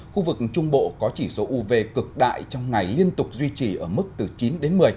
khu vực trung bộ có chỉ số uv cực đại trong ngày liên tục duy trì ở mức từ chín đến một mươi